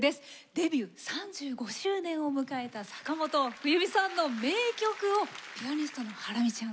デビュー３５周年を迎えた坂本冬美さんの名曲をピアニストのハラミちゃん